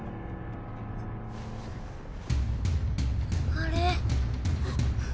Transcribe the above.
あれ。